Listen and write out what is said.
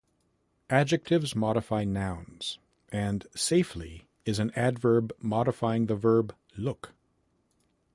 Adjectives modify nouns, and safely is an adverb modifying the verb look.